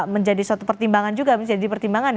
menjadi suatu pertimbangan juga menjadi pertimbangan